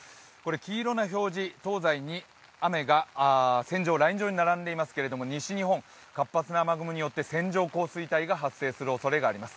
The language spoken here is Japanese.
黄色の表示、東西に雨がライン状に並んでいますが、西日本、活発な雨雲によって線状降水帯が発生する可能性があります。